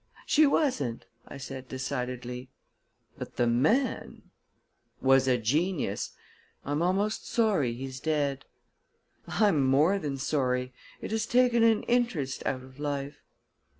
"She wasn't," I said decidedly. "But the man " "Was a genius. I'm almost sorry he's dead." "I'm more than sorry it has taken an interest out of life."